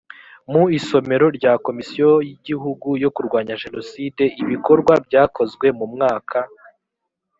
mu isomero rya komisiyo y gihugu yo kurwanya jenoside ibikorwa byakozwe mu mwaka